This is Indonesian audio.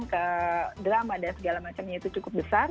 ke drama dan segala macamnya itu cukup besar